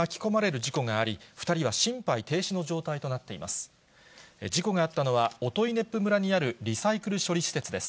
事故があったのは、音威子府村にあるリサイクル処理施設です。